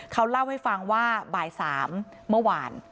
เขาเล่าให้ฟังว่าบ่าย๓เมื่อวาน